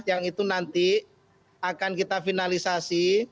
yang itu nanti akan kita finalisasi